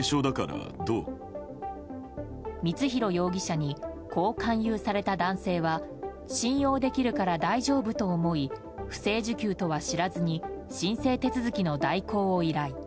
光弘容疑者にこう勧誘された男性は信用できるから大丈夫と思い不正受給とは知らずに申請手続きの代行を依頼。